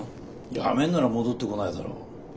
やめんなら戻ってこないだろう。